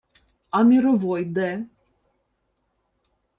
— А Міровой де?